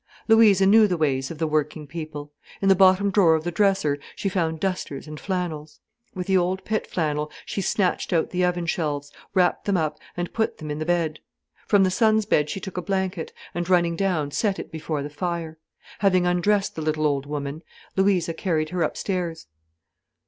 Louisa knew the ways of the working people. In the bottom drawer of the dresser she found dusters and flannels. With the old pit flannel she snatched out the oven shelves, wrapped them up, and put them in the bed. From the son's bed she took a blanket, and, running down, set it before the fire. Having undressed the little old woman, Louisa carried her upstairs.